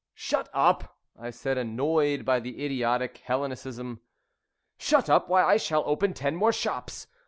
"Shut up!" I said, annoyed by the idiotic Hellenicism. "Shut up! Why, I shall open ten more shops.